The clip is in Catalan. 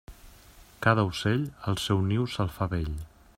Cada ocell, el seu niu se'l fa bell.